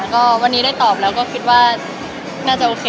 ก็วันนี้ได้ตอบแล้วก็คิดว่าน่าจะโอเค